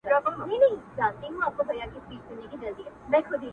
هسې عبث دا چاپلوسي راله خوند نه راکوي